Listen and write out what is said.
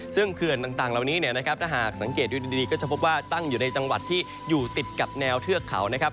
ซึ่งเขื่อนต่างเหล่านี้เนี่ยนะครับถ้าหากสังเกตดูดีก็จะพบว่าตั้งอยู่ในจังหวัดที่อยู่ติดกับแนวเทือกเขานะครับ